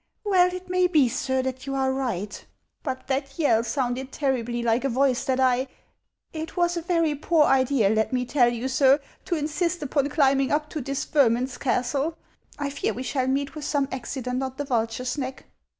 " Well, it may be, sir, that you are rioht. But that yell V '*/ C *> sounded terribly like a voice that I — It was a very poor idea, let me tell you, sir, to insist upon climbing up to this Yermund's castle. I fear we shall meet with some accident on the Vulture's Xeck."